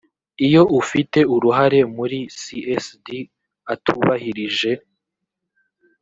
iyo ufite uruhare muri csd atubahirije